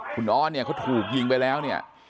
คุณออสเนี่ยเขาถูกยิงไปแล้วเนี่ย